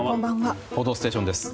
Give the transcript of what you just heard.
「報道ステーション」です。